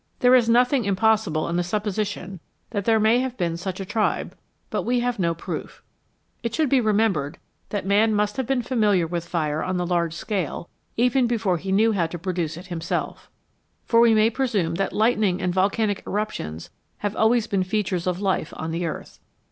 There is nothing impossible in the supposition that there may have been such a tribe, but we have no proof. It should be remembered that man must have been familiar with fire on the large scale, even before he knew how to produce it himself; for we may presume that lightning and volcanic eruptions have always been features of life on the earth.